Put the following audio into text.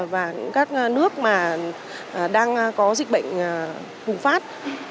và các nước đang có dịch bệnh khủng phát